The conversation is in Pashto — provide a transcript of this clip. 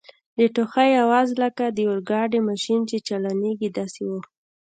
د ټوخي آواز لکه د اورګاډي ماشین چي چالانیږي داسې و.